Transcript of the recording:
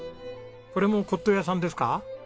これも骨董屋さんですか？